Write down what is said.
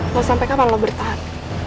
kalau sampai kapan lo bertahan